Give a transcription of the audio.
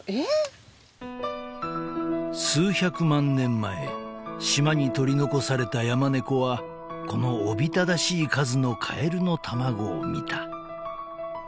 ［数百万年前島に取り残されたヤマネコはこのおびただしい数のカエルの卵を見た］